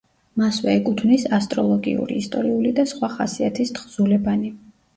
მასვე ეკუთვნის ასტროლოგიური, ისტორიული და სხვა ხასიათის თხზულებანი.